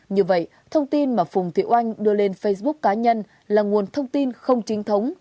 như vậy thông tin mà phùng thị oanh đưa lên facebook cá nhân là nguồn thông tin không chính thống